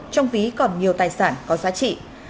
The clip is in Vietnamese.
trong ví còn nhiều tài sản có giá trị